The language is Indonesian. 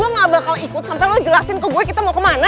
lo gak bakal ikut sampai lo jelasin ke gue kita mau kemana